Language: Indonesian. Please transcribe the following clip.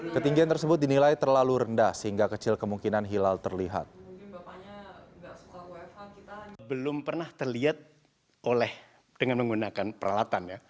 ketinggian tersebut dinilai terlalu rendah sehingga kecil kemungkinan hilal terlihat